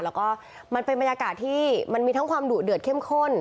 แล้วก็มันเป็นบรรยากาศที่มันมีทั้งความดุเดือดเข้มข้น